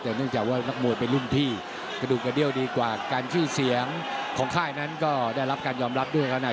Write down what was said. แต่เนื่องจากว่านักมวยเป็นรุ่นพี่กระดูกกระเดี้ยวดีกว่าการชื่อเสียงของค่ายนั้นก็ได้รับการยอมรับด้วยครับ